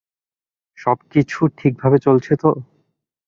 সবকিছু ঠিকভাবে চলছে তো?